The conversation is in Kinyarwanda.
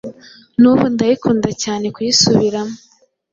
nubu ndayikunda cyane kuyisubiramo